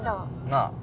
なあ。